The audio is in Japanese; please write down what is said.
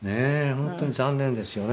本当に残念ですよね。